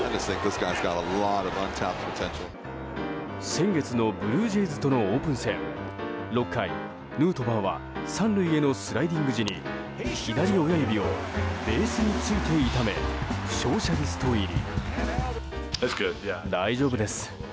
先月のブルージェイズとのオープン戦６回、ヌートバーは３塁へのスライディング時に左親指をベースに突いて痛め負傷者リスト入り。